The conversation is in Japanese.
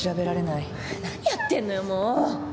何やってんのよもう！